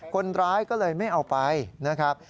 คนร้ายก็เลยไม่เอาไปนะครับ